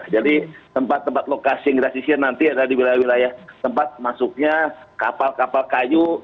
jadi tempat tempat lokasi yang kita sisir nanti ada di wilayah wilayah tempat masuknya kapal kapal kayu